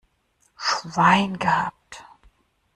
Schwein gehabt!